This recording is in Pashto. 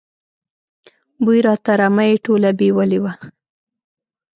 بوی راته، رمه یې ټوله بېولې وه.